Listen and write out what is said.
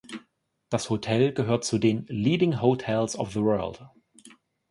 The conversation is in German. Das Hotel gehört zu den "Leading Hotels of the World".